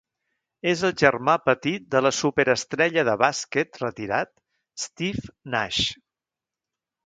És el germà petit de la superestrella de bàsquet retirat Steve Nash.